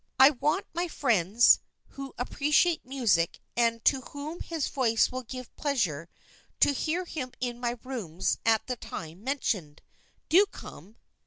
I want my friends who appreciate music and to whom his voice will give pleasure to hear him in my rooms at the time mentioned. Do come!